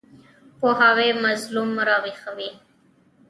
پوهاوی مظلوم راویښوي.